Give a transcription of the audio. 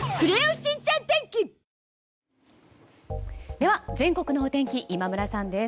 では、全国のお天気今村さんです。